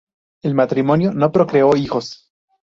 El matrimonio no procreó hijos.